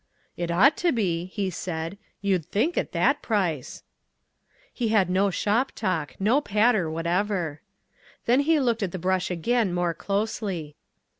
"It ought to be," he said, "you'd think, at that price." He had no shop talk, no patter whatever. Then he looked at the brush again, more closely.